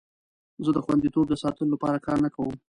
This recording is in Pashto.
زه د خوندیتوب د ساتلو لپاره نه کار کوم.